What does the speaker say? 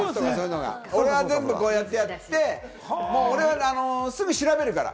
これは全部こうやってやって、すぐ調べるから。